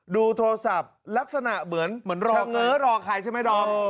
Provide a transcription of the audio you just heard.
ดูโทรศัพท์ลักษณะเหมือนรอเง้อรอใครใช่ไหมดอม